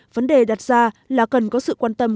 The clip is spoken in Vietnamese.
vấn đề đặt ra là cần có sự quan tâm